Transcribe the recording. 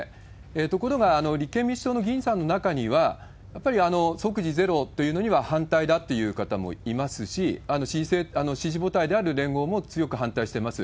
ところが立憲民主党の議員さんの中には、やっぱり即時ゼロというのには反対だという方もいますし、支持母体である連合も強く反対してます。